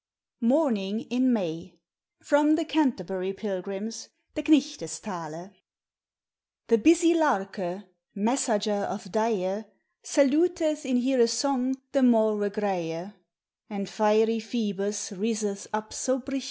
MORNING IN MAY.* FROM "THE CANTERBURY PILGRIMS: THE KNIGHTES TALK." The busy larke, messager of daye, Salueth in hire song the niorwo grave; And fyry Phebus ryseth up so bright*'.